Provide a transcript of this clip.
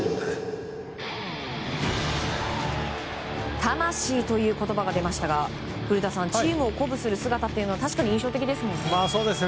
魂という言葉が出ましたが古田さんチームを鼓舞する姿は確かに印象的ですね。